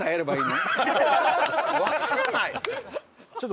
わからない。